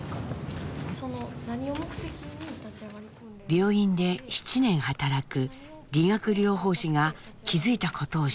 病院で７年働く理学療法士が気付いたことを指摘。